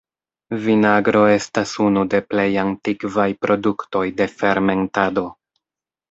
Vinagro estas unu de plej antikvaj produktoj de fermentado.